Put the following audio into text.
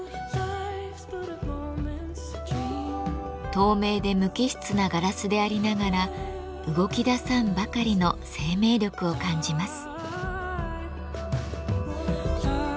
透明で無機質なガラスでありながら動きださんばかりの生命力を感じます。